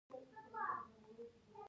تاسو به کله خپل کاکا سره ګورئ